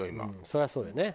そりゃそうだよね。